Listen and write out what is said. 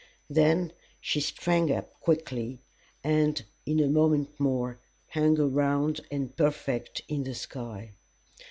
Then she sprang up quickly, and in a moment more hung round and perfect in the sky.